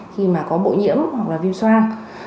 khi mà có bội nhiễm hoặc là viêm soan